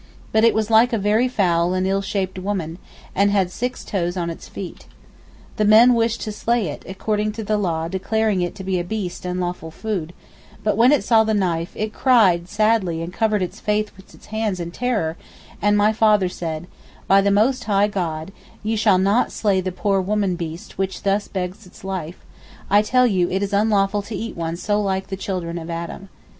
But it was like a very foul and ill shaped woman, and had six toes on its feet. The men wished to slay it, according to the law declaring it to be a beast and lawful food, but when it saw the knife, it cried sadly and covered its face with its hands in terror, and my father said, 'By the Most High God, ye shall not slay the poor woman beast which thus begs its life; I tell you it is unlawful to eat one so like the children of Adam.